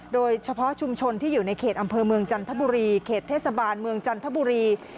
โดยเฉพาะชุมชนที่อยู่ในเขตอำเภอเมืองจันทบุรีเขตเทศบาลเมืองจันทบุรี